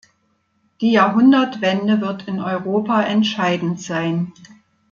Die Jahrhundertwende wird in Europa entscheidend sein.